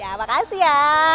ya makasih ya